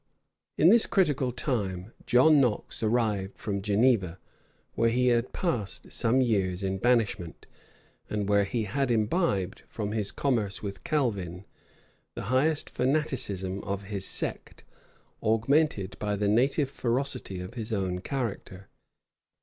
In this critical time, John Knox arrived from Geneva, where he had passed some years in banishment, and where he had imbibed, from his commerce with Calvin, the highest fanaticism of his sect, augmented by the native ferocity of his own character.